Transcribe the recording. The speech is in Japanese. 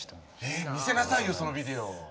見せなさいよそのビデオ！